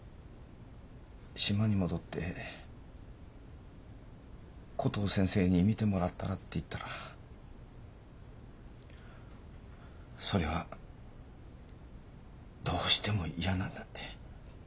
島に戻ってコトー先生に診てもらったらって言ったらそれはどうしても嫌なんだって。